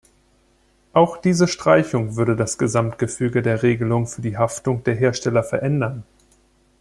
Auch diese Streichung würde das Gesamtgefüge der Regelung für die Haftung der Hersteller verändern.